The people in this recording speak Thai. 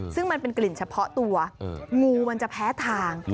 ซึ่งมันเป็นกลิ่นเฉพาะตัวงูมันจะแพ้ทาง